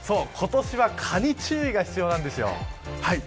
今年は蚊に注意が必要です。